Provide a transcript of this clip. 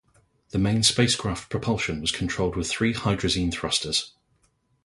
The main spacecraft propulsion was controlled with three hydrazine thrusters.